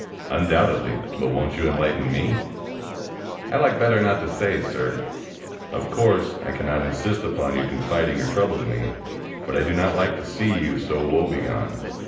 "Undoubtedly. But won't you enlighten me?" "I like better not to say, sir." "Of course, I cannot insist upon your confiding your trouble to me. But I do not like to see you so woebegone.